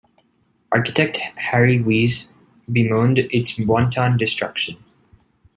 Architect Harry Weese bemoaned its "wanton destruction".